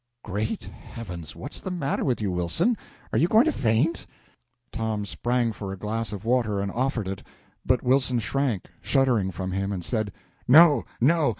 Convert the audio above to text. "Great Heavens, what's the matter with you, Wilson? Are you going to faint?" Tom sprang for a glass of water and offered it, but Wilson shrank shuddering from him and said "No, no!